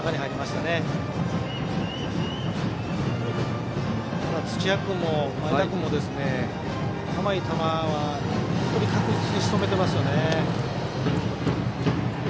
ただ土屋君も前田君も甘い球は本当に確実にしとめてますね。